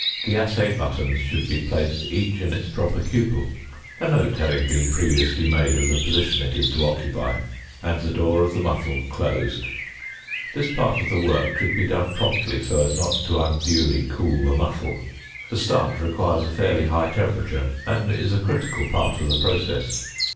42) the assay buttons should be placed each in its proper cupel; a note having been previously made of the position it is to occupy, and the door of the muffle closed. [Illustration: FIG. 41.] This part of the work should be done promptly, so as not to unduly cool the muffle: the start requires a fairly high temperature, and is a critical part of the process.